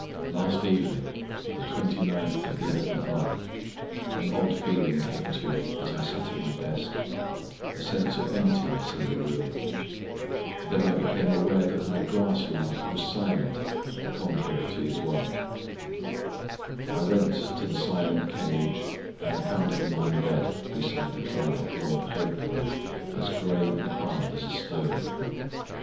Last evening — the twenty ninth of the eleventh month — an odd feeling came to me as I sat at my desk: a sense of emptiness 'in the room. Then I became aware that my grass lark was silent, con trary to his wont. I went to the silent cage, and found him lying dead beside a dried up lump of egg plant as gray and hard as a stone.